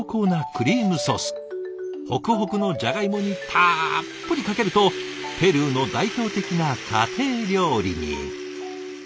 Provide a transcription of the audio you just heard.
ほくほくのジャガイモにたっぷりかけるとペルーの代表的な家庭料理に。